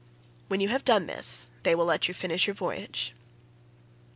When you have done this they will let you finish your voyage.